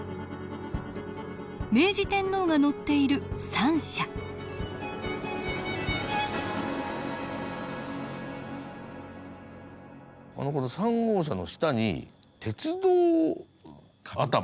明治天皇が乗っている三車この３号車の下に鉄道頭？